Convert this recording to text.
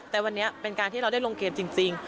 แต่วันนี้เป็นการที่เราได้ลงเกมจริง